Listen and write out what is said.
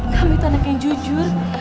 kamu itu anak yang jujur